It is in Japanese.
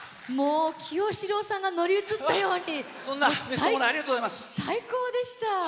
清志郎さんが乗り移ったように最高でした！